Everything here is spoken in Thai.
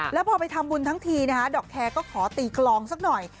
แล้วพอไปทำบุญทั้งทีนะคะดอกแคร์ก็ขอตีคลองสักหน่อย